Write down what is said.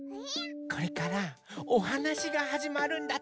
これからおはなしがはじまるんだって。